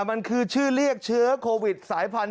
มันคือชื่อเรียกเชื้อโควิดสายพันธุ